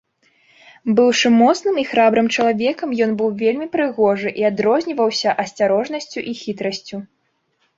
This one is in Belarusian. Быўшы моцным і храбрым чалавекам, ён быў вельмі прыгожы і адрозніваўся асцярожнасцю і хітрасцю.